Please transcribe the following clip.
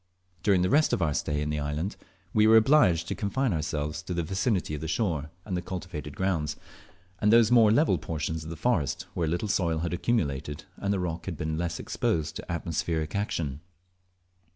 During the rest of our stay in the island we were obliged to confine ourselves to the vicinity of the shore and the cultivated grounds, and those more level portions of the forest where a little soil had accumulated and the rock had been less exposed to atmospheric action.